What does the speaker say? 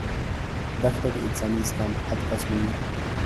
دښته د انساني زغم حد ازمويي.